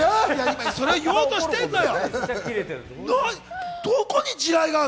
今、言おうとしてるのよ。